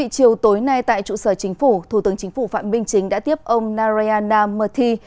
chiều tối nay tại trụ sở chính phủ thủ tướng chính phủ phạm minh chính đã tiếp ông nareyana merthi